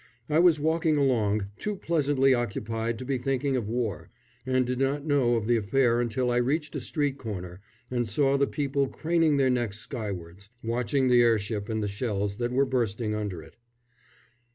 I was walking along, too pleasantly occupied to be thinking of war, and did not know of the affair until I reached a street corner and saw the people craning their necks skywards, watching the airship and the shells that were bursting under it.